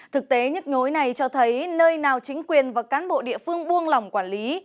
thực tế nhức nhối này cho thấy nơi nào chính quyền và cán bộ địa phương buông lỏng quản lý